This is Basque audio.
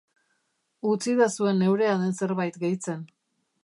Utzidazue neurea den zerbait gehitzen.